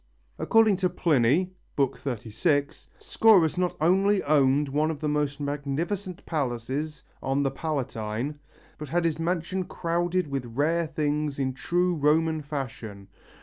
According to Pliny (XXXVI), Scaurus not only owned one of the most magnificent palaces on the Palatine, but had his mansion crowded with rare things in true Roman fashion.